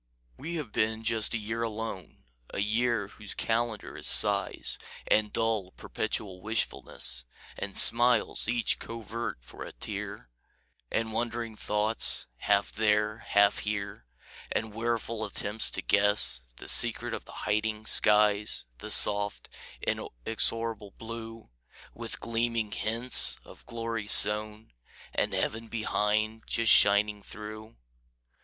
We have been just a year alone, A year whose calendar is sighs, And dull, perpetual wishfulness, And smiles, each covert for a tear, And wandering thoughts, half there, half here, And weariful attempts to guess The secret of the hiding skies, The soft, inexorable blue, With gleaming hints of glory sown, And Heaven behind, just shining through.